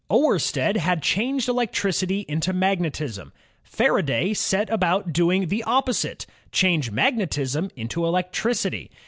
Oersted had changed electricity into magnetism. Faraday set about doing the opposite, change magnetism into electricity.